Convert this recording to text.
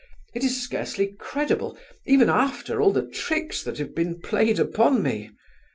It is scarcely credible, even after all the tricks that have been played upon me.